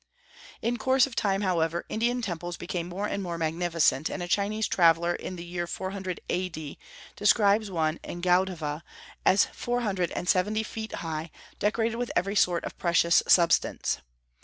In course of time, however, Indian temples became more and more magnificent; and a Chinese traveller in the year 400 A.D. describes one in Gaudhava as four hundred and seventy feet high, decorated with every sort of precious substance.